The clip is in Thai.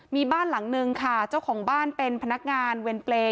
มีบ้านหลังนึงค่ะเจ้าของบ้านเป็นพนักงานเวรเปรย์